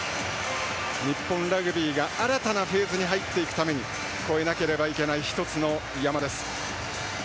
日本ラグビーが新たなフェーズに入っていくために越えなければいけない１つの山です。